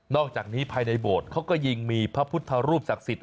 อกจากนี้ภายในโบสถ์เขาก็ยิงมีพระพุทธรูปศักดิ์สิทธิ